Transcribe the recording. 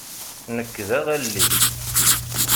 Nekk d aɣalli.